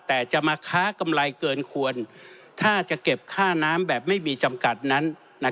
แต่จะมาค้ากำไรเกินควรถ้าจะเก็บค่าน้ำแบบไม่มีจำกัดนั้น